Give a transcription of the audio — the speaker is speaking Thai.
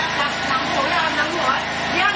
อันดับที่สุดท้ายก็จะเป็น